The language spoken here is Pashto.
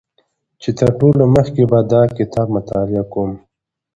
چې تر ټولو مخکې به دا کتاب مطالعه کوم